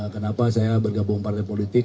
kenapa saya bergabung partai politik